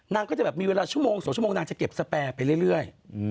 นางก็จะมีเวลาสองชั่วโมงนางจะเก็บสแปรอไปเรื่อย